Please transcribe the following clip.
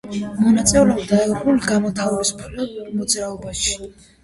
მონაწილეობდა ეროვნულ-განმათავისუფლებელ მოძრაობაში.